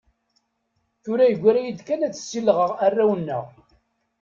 Tura yegra-yi-d kan ad ssilɣeɣ arraw-nneɣ.